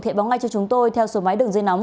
hãy báo ngay cho chúng tôi theo số máy đường dây nóng